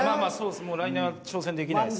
もう来年は挑戦できないです。